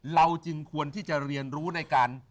เราจึงควรที่จะเรียนรู้ในการ